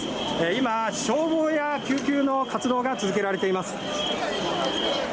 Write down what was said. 今、消防や救急の活動が続けられています。